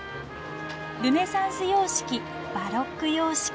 ルネサンス様式バロック様式